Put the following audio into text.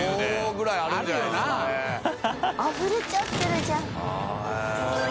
あふれちゃってるじゃん。